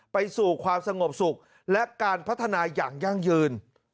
ไปสู่ความสงบสุขและการพัฒนาอย่างยั่งยืน